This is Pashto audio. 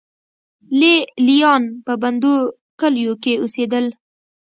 لې لیان په بندو کلیو کې اوسېدل.